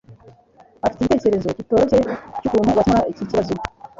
afite igitekerezo kitoroshye cyukuntu wakemura ikibazo